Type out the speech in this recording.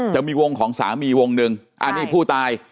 จะมีวงของสามีวงหนึ่งอันนี้ผู้ตาย